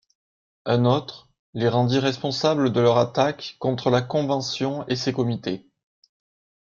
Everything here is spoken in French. Un autre, les rendit responsables de leurs attaques contre la Convention et ses comités.